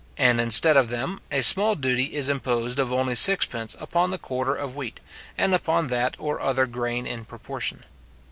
and instead of them, a small duty is imposed of only 6d upon the quarter of wheat, and upon that or other grain in proportion.